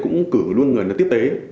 cũng cử luôn người tiếp tế